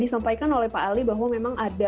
disampaikan oleh pak ali bahwa memang ada